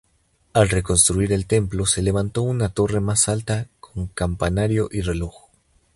Al reconstruir el templo se levantó una torre más alta con campanario y reloj.